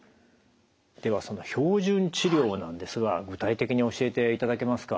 ではその標準治療なんですが具体的に教えていただけますか？